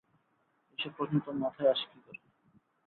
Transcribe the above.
এইসব প্রশ্ন তোর মাথায় আসে কী করে?